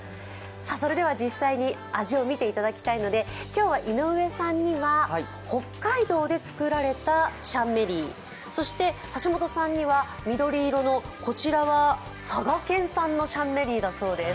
それでは実際に味をみていただきたいので、今日は井上さんには、北海道で作られたシャンメリー、そして橋本さんには緑色の佐賀県産のシャンメリーです。